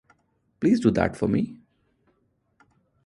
Please do that for me.